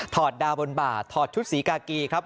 อดดาวบนบ่าถอดชุดศรีกากีครับ